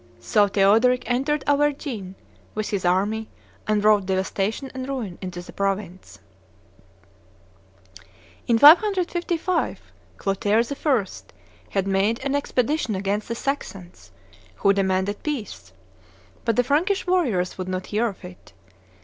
So Theodoric entered Auvergne with his army, and wrought devastation and ruin in the province. "In 555, Clotaire I. had made an expedition against the Saxons, who demanded peace; but the Frankish warriors would not hear of it.